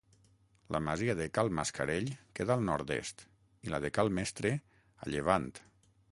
La masia de Cal Mascarell queda al nord-est, i la de Cal Mestre, a llevant.